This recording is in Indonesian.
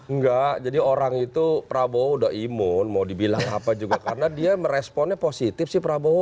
enggak jadi orang itu prabowo udah imun mau dibilang apa juga karena dia meresponnya positif sih prabowo